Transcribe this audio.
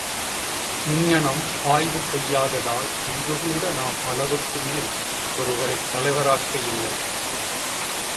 இங்ஙனம் ஆய்வு செய்யாததால் இன்று கூட நாம் அளவுக்குமேல் ஒருவரைத் தலைவராக, இல்லை!